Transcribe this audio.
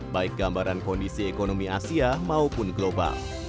baik gambaran kondisi ekonomi asia maupun global